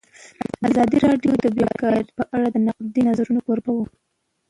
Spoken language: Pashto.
ازادي راډیو د بیکاري په اړه د نقدي نظرونو کوربه وه.